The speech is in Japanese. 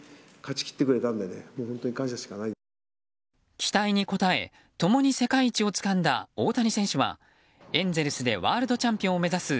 期待に応え共に世界一をつかんだ大谷選手はエンゼルスでワールドチャンピオンを目指す